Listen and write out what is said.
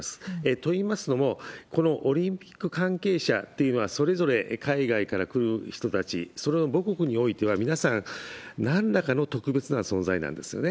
といいますのも、このオリンピック関係者というのは、それぞれ海外から来る人たち、その母国においては皆さん、なんらかの特別な存在なんですよね。